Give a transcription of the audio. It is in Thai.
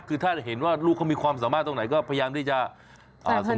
คือถ้าเห็นว่าลูกเขามีความสามารถตรงไหนก็พยายามที่จะส่ง